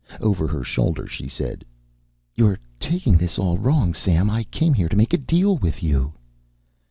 Over her shoulder, she said: "You're taking this all wrong, Sam. I came here to make a deal with you."